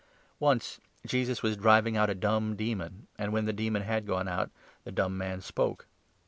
Once Jesus was driving out a dumb demon, 14 dumb Man. and, when the demon had gone out, the dumb man spoke.